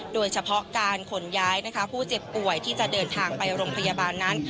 โดยเฉพาะการขนย้ายนะคะผู้เจ็บป่วยที่จะเดินทางไปโรงพยาบาลนั้น